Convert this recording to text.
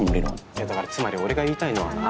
いやだからつまり俺が言いたいのはね。